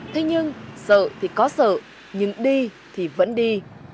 thế nhưng sợ thì có sợ nhưng đi thì vẫn đi